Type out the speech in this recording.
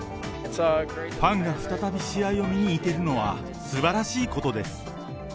ファンが再び試合を見に行けるのはすばらしいことです。